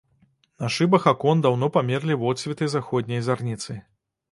На шыбах акон даўно памерлі водсветы заходняй зарніцы.